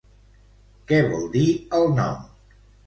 Què vol dir el nom?